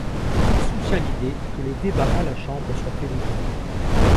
Elle soutient l'idée que les débats à la Chambre soient télévisés.